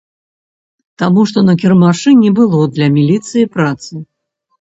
Таму, што на кірмашы не было для міліцыі працы!